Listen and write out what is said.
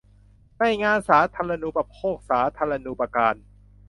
ในงานสาธารณูปโภคสาธารณูปการ